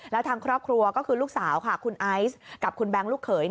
แล้วทางครอบครัวก็คือลูกสาวค่ะคุณไอซ์กับคุณแบงค์ลูกเขย